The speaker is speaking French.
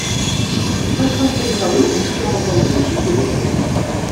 à cinq milliards d’euros sur l’ensemble des chiffres évoqués.